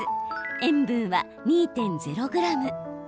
塩分は２．０ｇ。